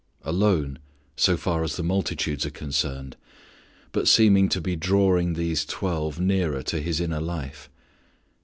Alone, so far as the multitudes are concerned, but seeming to be drawing these twelve nearer to His inner life.